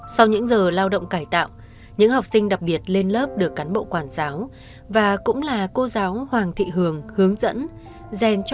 sau những giờ lao động cải tạo những học sinh đặc biệt lên lớp được cán bộ quản giáo và cũng là cô giáo hoàng thị hường hướng dẫn dèn cho từng nét chữ